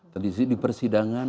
tadi di persidangan